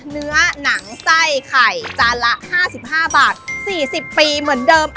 เนื้อหนังไส้ไข่จานละห้าสิบห้าบาทสี่สิบปีเหมือนเดิม